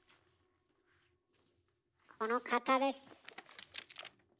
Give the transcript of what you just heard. この方です。